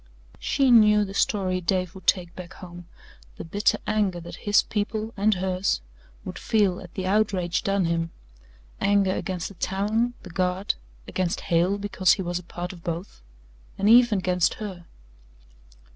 She knew the story Dave would take back home the bitter anger that his people and hers would feel at the outrage done him anger against the town, the Guard, against Hale because he was a part of both and even against her.